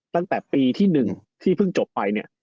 ตั้งแต่ปีที่๑ที่เพิ่งจบไปเนี่ย